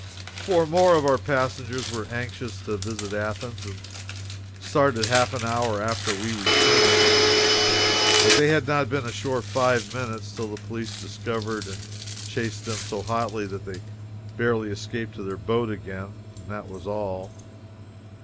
Four more of our passengers were anxious to visit Athens, and started half an hour after we returned; but they had not been ashore five minutes till the police discovered and chased them so hotly that they barely escaped to their boat again, and that was all.